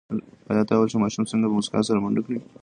آیا تا ولیدل چې ماشوم څنګه په موسکا سره منډه کړه؟